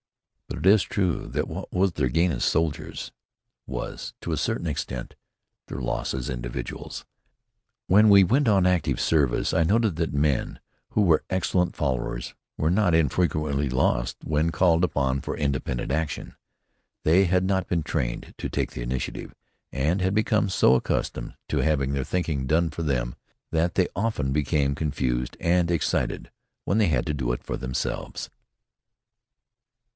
But it is true that what was their gain as soldiers was, to a certain extent, their loss as individuals. When we went on active service I noted that men who were excellent followers were not infrequently lost when called upon for independent action. They had not been trained to take the initiative, and had become so accustomed to having their thinking done for them that they often became confused and excited when they had to do it for themselves.